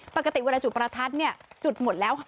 ปกติเวลาจุดประทัดเนี่ยจุดหมดแล้ว